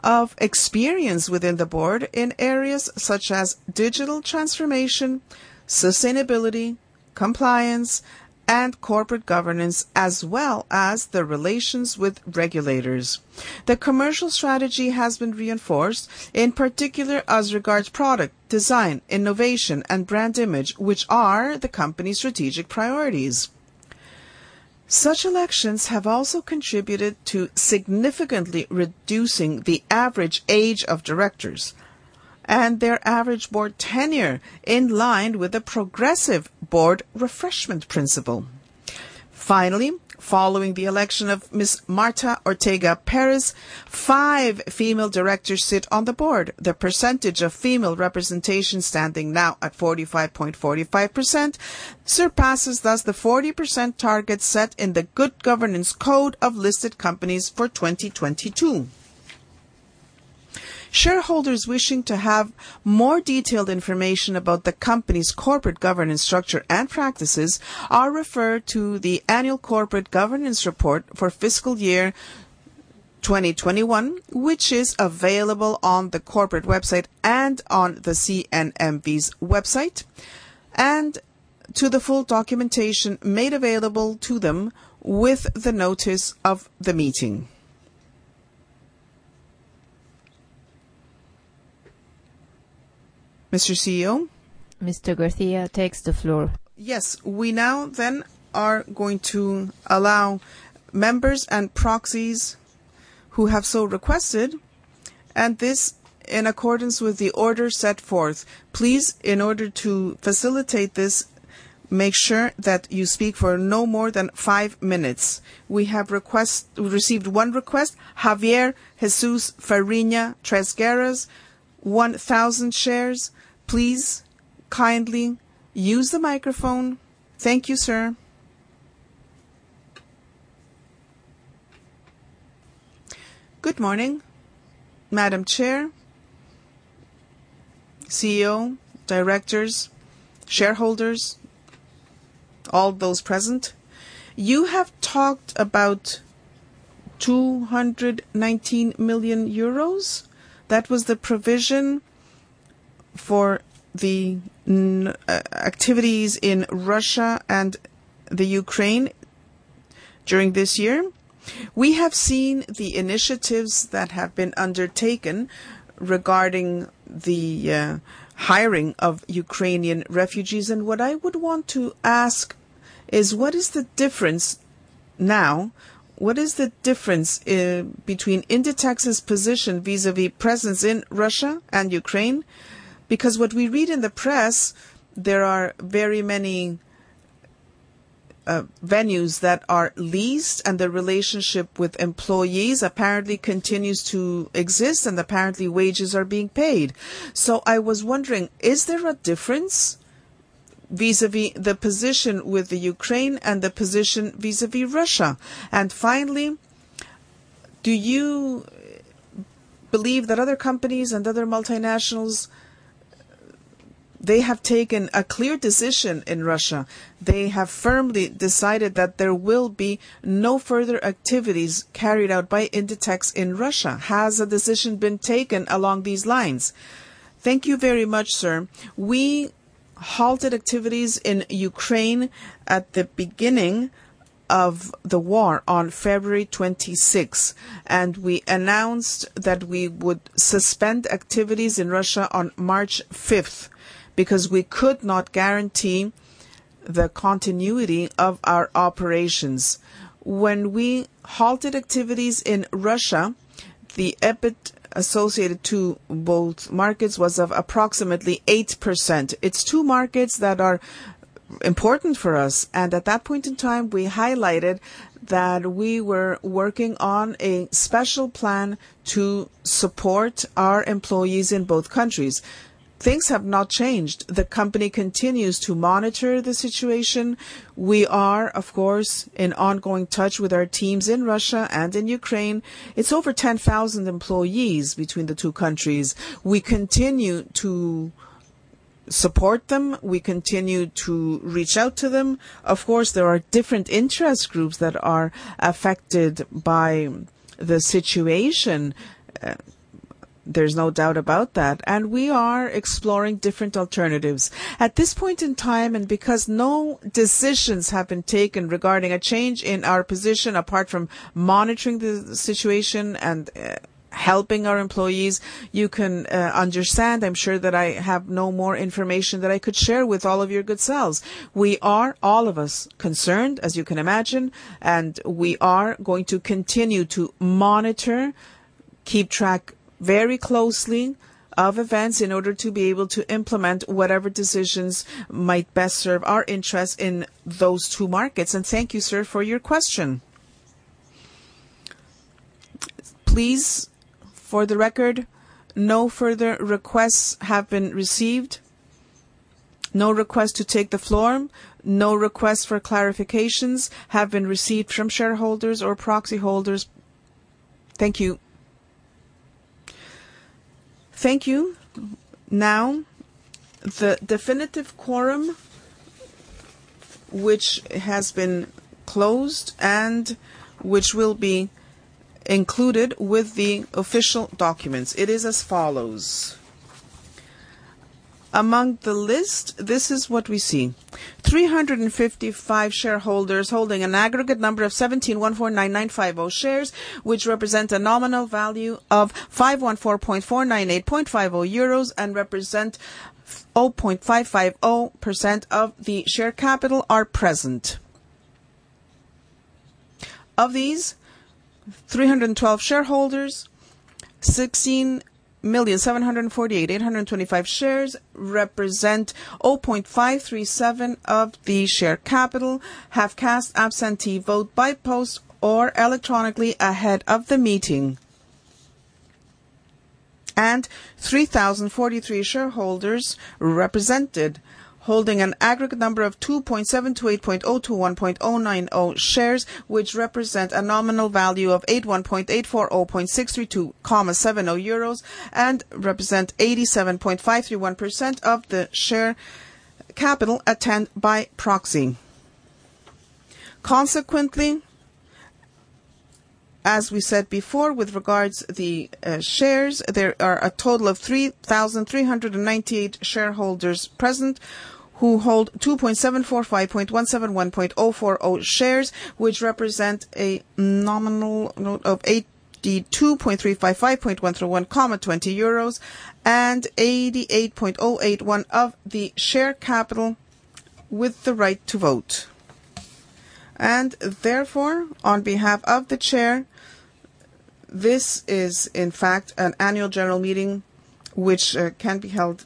of experience within the board in areas such as digital transformation, sustainability, compliance, and corporate governance, as well as the relations with regulators. The commercial strategy has been reinforced, in particular as regards product, design, innovation, and brand image, which are the company's strategic priorities. Such elections have also contributed to significantly reducing the average age of directors and their average board tenure in line with the progressive board refreshment principle. Finally, following the election of Ms. Marta Ortega Pérez, five female directors sit on the board. The percentage of female representation standing now at 45.45% surpasses thus the 40% target set in the Good Governance Code of Listed Companies for 2022. Shareholders wishing to have more detailed information about the company's corporate governance structure and practices are referred to the annual corporate governance report for fiscal year 2021, which is available on the corporate website and on the CNMV's website, and to the full documentation made available to them with the notice of the meeting. Mr. CEO? Mr. García takes the floor. Yes. We now are going to allow members and proxies who have so requested, and this in accordance with the order set forth. Please, in order to facilitate this, make sure that you speak for no more than five minutes. We received one request, Javier Jesús Fariña Tresguerres, 1,000 shares. Please kindly use the microphone. Thank you, sir. Good morning, Madam Chair, CEO, directors, shareholders, all those present. You have talked about 219 million euros. That was the provision for the activities in Russia and the Ukraine during this year. We have seen the initiatives that have been undertaken regarding the hiring of Ukrainian refugees. What I would want to ask is what is the difference now? What is the difference between Inditex's position vis-à-vis presence in Russia and Ukraine? Because what we read in the press, there are very many venues that are leased, and the relationship with employees apparently continues to exist, and apparently wages are being paid. I was wondering, is there a difference vis-à-vis the position with the Ukraine and the position vis-à-vis Russia? Finally, do you believe that other companies and other multinationals, they have taken a clear decision in Russia. They have firmly decided that there will be no further activities carried out by Inditex in Russia. Has a decision been taken along these lines? Thank you very much, sir. We halted activities in Ukraine at the beginning of the war on February 26, and we announced that we would suspend activities in Russia on March 5, because we could not guarantee the continuity of our operations. When we halted activities in Russia, the EBIT associated to both markets was of approximately 8%. It's two markets that are important for us, and at that point in time, we highlighted that we were working on a special plan to support our employees in both countries. Things have not changed. The company continues to monitor the situation. We are, of course, in ongoing touch with our teams in Russia and in Ukraine. It's over 10,000 employees between the two countries. We continue to support them. We continue to reach out to them. Of course, there are different interest groups that are affected by the situation, there's no doubt about that, and we are exploring different alternatives. At this point in time, because no decisions have been taken regarding a change in our position, apart from monitoring the situation and helping our employees, you can understand, I'm sure, that I have no more information that I could share with all of your good selves. We are, all of us, concerned, as you can imagine, and we are going to continue to monitor, keep track very closely of events in order to be able to implement whatever decisions might best serve our interests in those two markets. Thank you, sir, for your question. Please, for the record, no further requests have been received. No request to take the floor, no request for clarifications have been received from shareholders or proxy holders. Thank you. Thank you. Now, the definitive quorum which has been closed and which will be included with the official documents, it is as follows. Among the list, this is what we see. 355 shareholders holding an aggregate number of 17,149,950 shares, which represent a nominal value of 514.49850 euros and represent 0.550% of the share capital are present. Of these, 312 shareholders, 16,748,825 shares represent 0.537 of the share capital have cast absentee vote by post or electronically ahead of the meeting. 3,043 shareholders represented, holding an aggregate number of 2,728,021,090 shares, which represent a nominal value of 81,840,632.70 euros and represent 87.531% of the share capital attending by proxy. Consequently, as we said before, with regard to the shares, there are a total of 3,398 shareholders present who hold 2,745,171,040 shares, which represent a nominal value of 82,355,131.20 euros and 88.081% of the share capital with the right to vote. Therefore, on behalf of the chair, this is in fact an annual general meeting which can be held.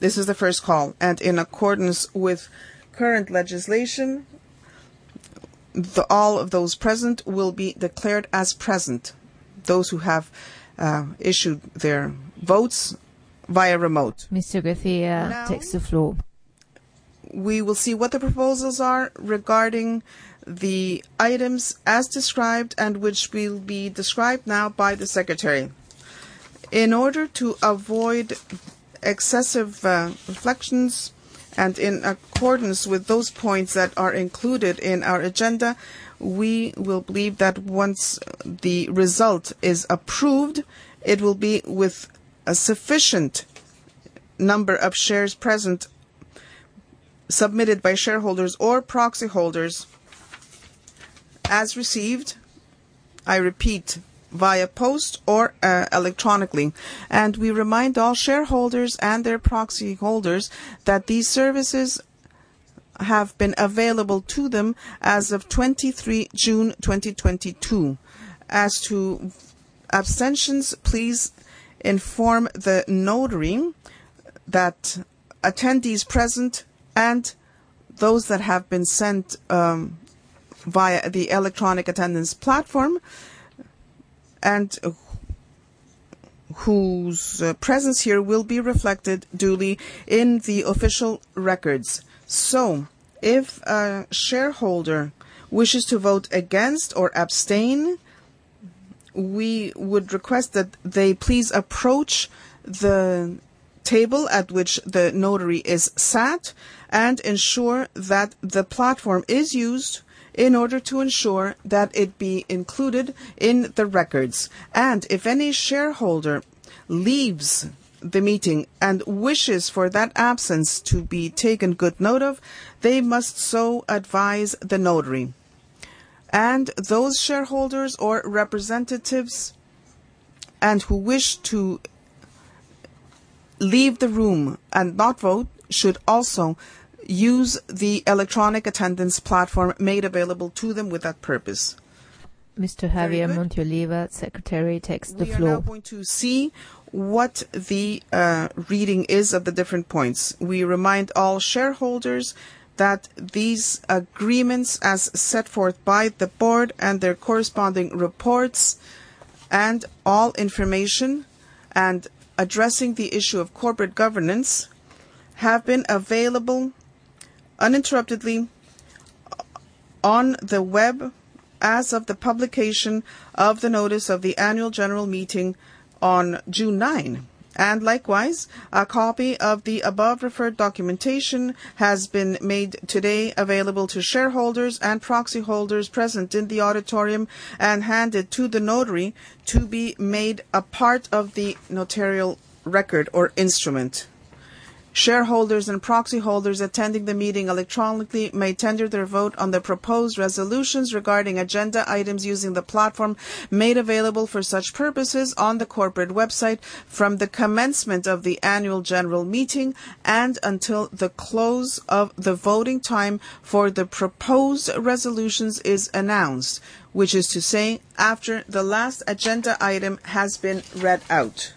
This is the first call, and in accordance with current legislation, all of those present will be declared as present, those who have issued their votes via remote. Mr. García takes the floor. Now, we will see what the proposals are regarding the items as described and which will be described now by the secretary. In order to avoid excessive reflections and in accordance with those points that are included in our agenda, we will believe that once the result is approved, it will be with a sufficient number of shares present submitted by shareholders or proxy holders as received, I repeat, via post or electronically. We remind all shareholders and their proxy holders that these services have been available to them as of 23 June 2022. As to abstentions, please inform the notary that attendees present and those that have been sent via the electronic attendance platform and whose presence here will be reflected duly in the official records. If a shareholder wishes to vote against or abstain, we would request that they please approach the table at which the notary is sat and ensure that the platform is used in order to ensure that it be included in the records. If any shareholder leaves the meeting and wishes for that absence to be taken good note of, they must so advise the notary. Those shareholders or representatives, and who wish to leave the room and not vote, should also use the electronic attendance platform made available to them with that purpose. Mr. Javier Monteoliva, Secretary, takes the floor. We are now going to see what the reading is of the different points. We remind all shareholders that these agreements, as set forth by the board and their corresponding reports, and all information, and addressing the issue of corporate governance, have been available uninterruptedly on the web as of the publication of the notice of the annual general meeting on June 9. Likewise, a copy of the above-referenced documentation has been made today available to shareholders and proxy holders present in the auditorium and handed to the notary to be made a part of the notarial record or instrument. Shareholders and proxy holders attending the meeting electronically may tender their vote on the proposed resolutions regarding agenda items using the platform made available for such purposes on the corporate website from the commencement of the annual general meeting and until the close of the voting time for the proposed resolutions is announced, which is to say, after the last agenda item has been read out.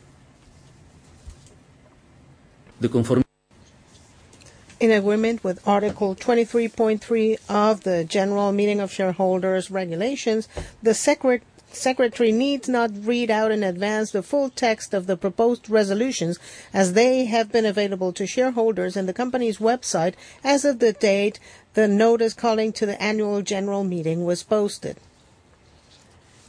In agreement with Article 23.3 of the Regulations of the General Meeting of Shareholders, the secretary needs not read out in advance the full text of the proposed resolutions as they have been available to shareholders in the company's website as of the date the notice calling the annual general meeting was posted.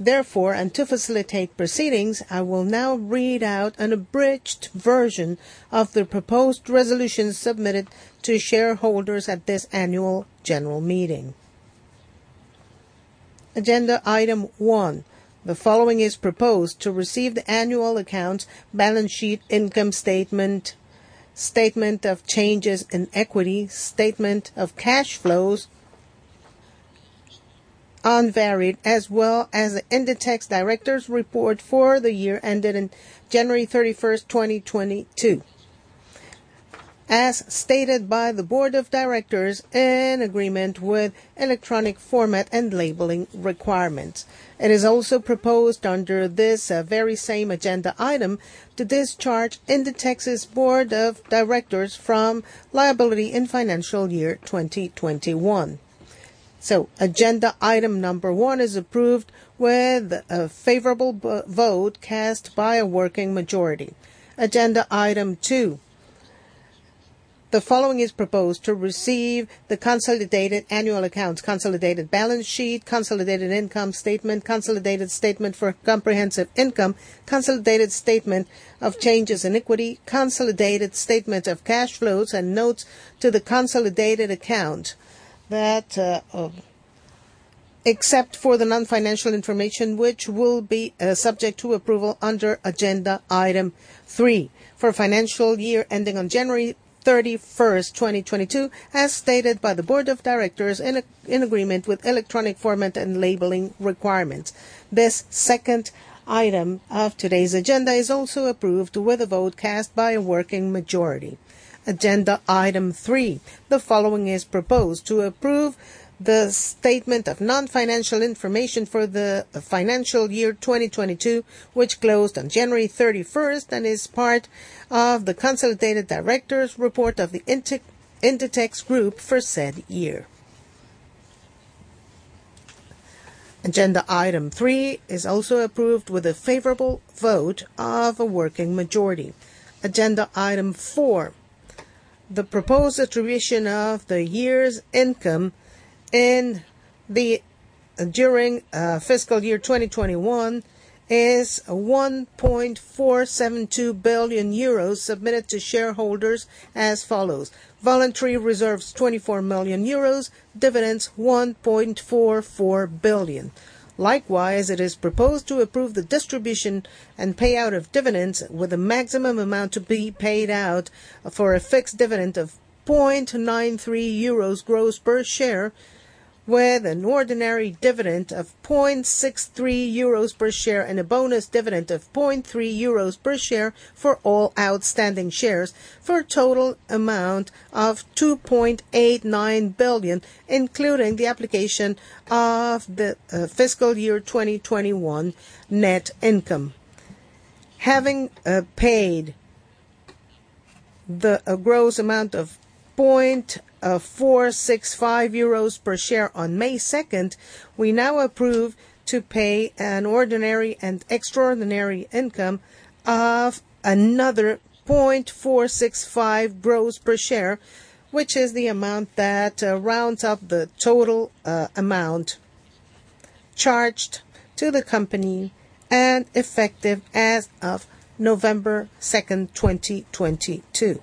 Therefore, and to facilitate proceedings, I will now read out an abridged version of the proposed resolutions submitted to shareholders at this annual general meeting. Agenda item one. The following is proposed. To receive the annual accounts, balance sheet, income statement of changes in equity, statement of cash flows, unvaried, as well as Inditex directors' report for the year ended in January 31, 2022. As stated by the board of directors in agreement with electronic format and labeling requirements. It is also proposed under this very same agenda item to discharge Inditex's board of directors from liability in financial year 2021. Agenda item number one is approved with a favorable vote cast by a working majority. Agenda item two. The following is proposed. To receive the consolidated annual accounts, consolidated balance sheet, consolidated income statement, consolidated statement for comprehensive income, consolidated statement of changes in equity, consolidated statement of cash flows, and notes to the consolidated account. That, except for the non-financial information, which will be subject to approval under agenda item three. For financial year ending on January 31, 2022, as stated by the board of directors in agreement with electronic format and labeling requirements. This second item of today's agenda is also approved with a vote cast by a working majority. Agenda item three. The following is proposed: To approve the statement of non-financial information for the financial year 2022, which closed on January 31st and is part of the consolidated directors' report of the Inditex Group for said year. Agenda item three is also approved with a favorable vote of a working majority. Agenda item four. The proposed attribution of the year's income during fiscal year 2021 is 1.472 billion euros submitted to shareholders as follows: voluntary reserves, 24 million euros, dividends, 1.44 billion. Likewise, it is proposed to approve the distribution and payout of dividends with a maximum amount to be paid out for a fixed dividend of 0.93 euros gross per share, with an ordinary dividend of 0.63 euros per share, and a bonus dividend of 0.30 euros per share for all outstanding shares, for a total amount of 2.89 billion, including the application of the fiscal year 2021 net income. Having paid a gross amount of 0.465 euros per share on May second, we now approve to pay an ordinary and extraordinary income of another 0.465 gross per share, which is the amount that rounds up the total amount charged to the company and effective as of November 2, 2022.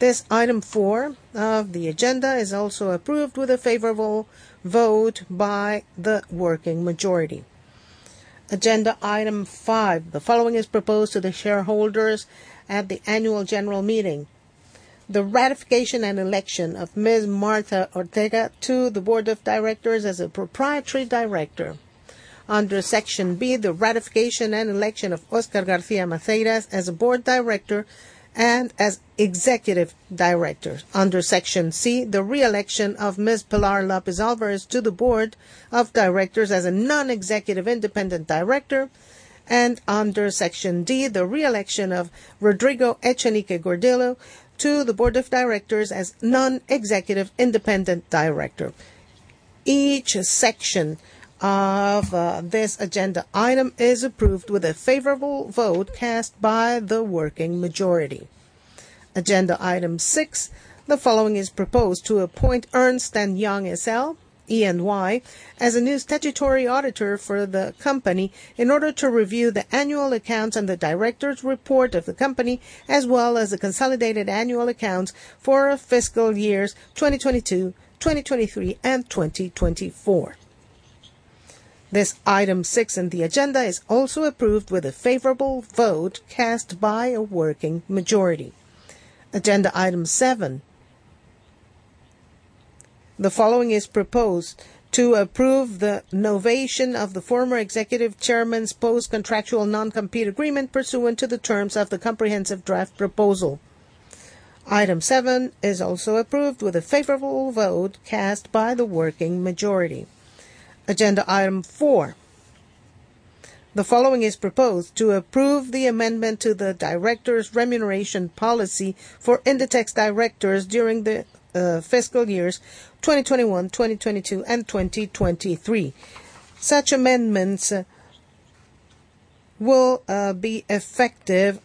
This item four of the agenda is also approved with a favorable vote by the working majority. Agenda item five. The following is proposed to the shareholders at the annual general meeting. The ratification and election of Ms. Marta Ortega to the board of directors as a proprietary director. Under section B, the ratification and election of Óscar García Maceiras as a board director and as executive director. Under section C, the reelection of Ms. Pilar López Álvarez to the board of directors as a non-executive independent director. Under section D, the reelection of Rodrigo Echenique Gordillo to the board of directors as non-executive independent director. Each section of this agenda item is approved with a favorable vote cast by the working majority. Agenda item six. The following is proposed to appoint Ernst & Young S.L., E&Y, as a new statutory auditor for the company in order to review the annual accounts and the director's report of the company, as well as the consolidated annual accounts for fiscal years 2022, 2023, and 2024. This item six in the agenda is also approved with a favorable vote cast by a working majority. Agenda item seven. The following is proposed to approve the novation of the former executive chairman's post-contractual non-compete agreement pursuant to the terms of the comprehensive draft proposal. Item seven is also approved with a favorable vote cast by a working majority. Agenda item 4. The following is proposed to approve the amendment to the director's remuneration policy for Inditex directors during the fiscal years 2021, 2022, and 2023. Such amendments will be effective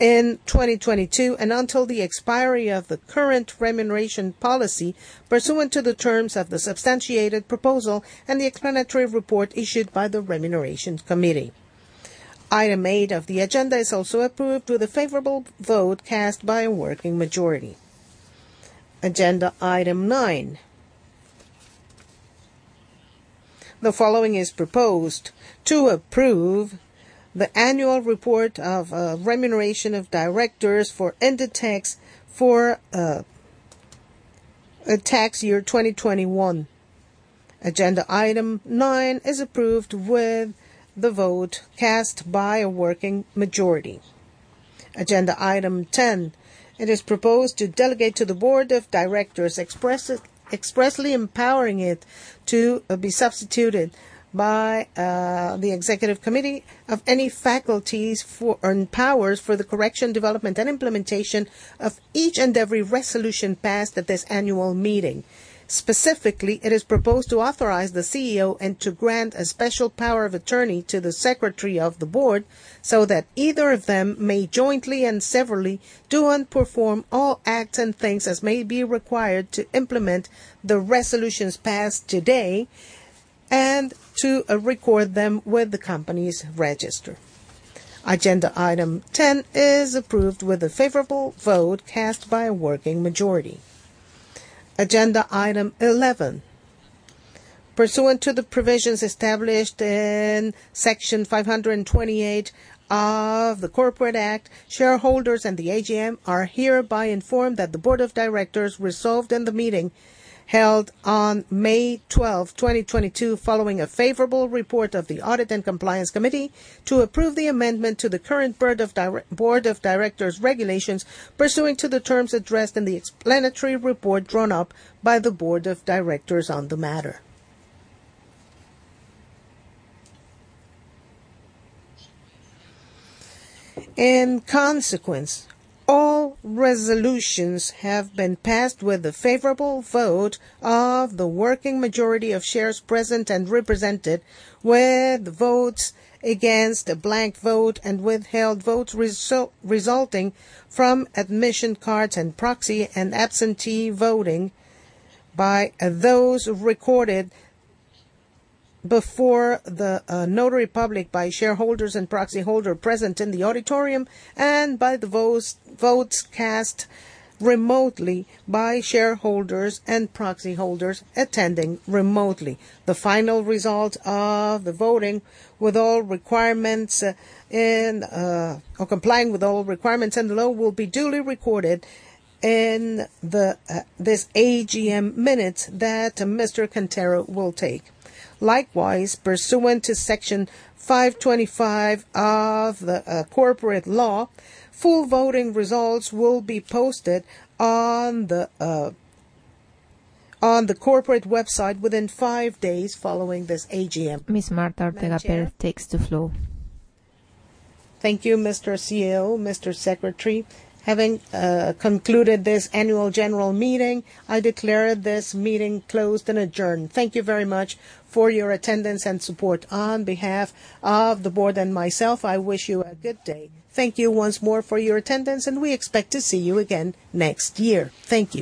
in 2022 and until the expiry of the current remuneration policy pursuant to the terms of the substantiated proposal and the explanatory report issued by the Remuneration Committee. Item eight of the agenda is also approved with a favorable vote cast by a working majority. Agenda item nine. The following is proposed to approve the annual report of remuneration of directors for Inditex for tax year 2021. Agenda item nine is approved with the vote cast by a working majority. Agenda item 10. It is proposed to delegate to the board of directors, expressly empowering it to be substituted by the executive committee or any faculties and powers for the correction, development, and implementation of each and every resolution passed at this annual meeting. Specifically, it is proposed to authorize the CEO and to grant a special power of attorney to the secretary of the board, so that either of them may jointly and severally do and perform all acts and things as may be required to implement the resolutions passed today and to record them with the company's register. Agenda item 10 is approved with a favorable vote cast by a working majority. Agenda item 11. Pursuant to the provisions established in section 528 of the Corporate Enterprises Act, shareholders and the AGM are hereby informed that the board of directors resolved in the meeting held on May 12, 2022, following a favorable report of the Audit and Compliance Committee, to approve the amendment to the current board of directors regulations pursuant to the terms addressed in the explanatory report drawn up by the board of directors on the matter. In consequence, all resolutions have been passed with a favorable vote of the working majority of shares present and represented, where the votes against the blank vote and withheld votes resulting from admission cards and proxy and absentee voting by those recorded before the notary public by shareholders and proxy holder present in the auditorium and by the votes cast remotely by shareholders and proxy holders attending remotely. The final result of the voting complying with all requirements in the law will be duly recorded in this AGM minutes that Mr. Cantero will take. Likewise, pursuant to section 525 of the corporate law, full voting results will be posted on the corporate website within 5 days following this AGM. Ms. Marta Ortega Pérez takes the floor. Thank you, Mr. CEO, Mr. Secretary. Having concluded this annual general meeting, I declare this meeting closed and adjourned. Thank you very much for your attendance and support. On behalf of the board and myself, I wish you a good day. Thank you once more for your attendance, and we expect to see you again next year. Thank you.